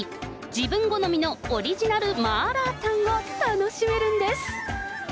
自分好みのオリジナルマーラータンが楽しめるんです。